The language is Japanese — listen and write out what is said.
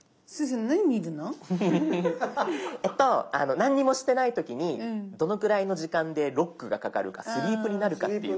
何もしてない時にどのくらいの時間でロックがかかるかスリープになるかっていう。